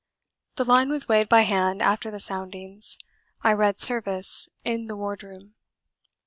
The line was weighed by hand after the soundings. I read Service in the wardroom.